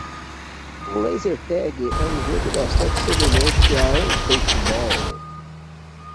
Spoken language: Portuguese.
Laser tag é um jogo bastante semelhante ao paintball.